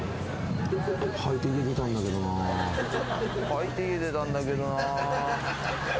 「履いて家出たんだけどな」